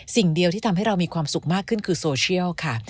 สิ่งเดียวที่ทำให้เรามีความสุขมากขึ้นคือโซเชียลค่ะ